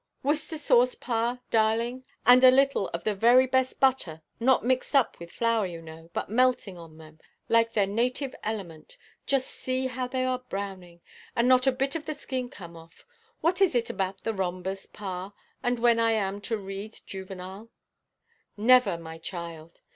"Worcester sauce, pa, darling, and a little of the very best butter, not mixed up with flour, you know, but melting on them, like their native element. Just see how they are browning, and not a bit of the skin come off. What is it about the rhombus, pa, and when am I to read Juvenal?" "Never, my child."